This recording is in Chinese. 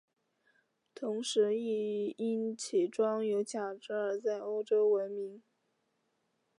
同时亦因其装有假肢而在欧洲闻名。